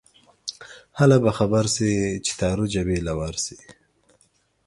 هله به خبر شې چې تارو جبې له ورشې